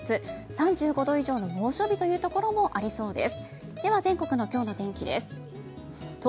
３５度以上の猛暑日のところもありそうです。